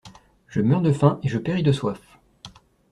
Je meurs de faim et je péris de soif!